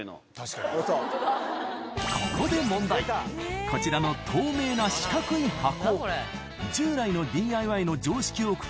ここでこちらの透明な四角い箱従来のＤＩＹの常識を覆す